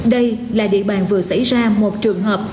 đây là địa bàn vừa xảy ra một trường hợp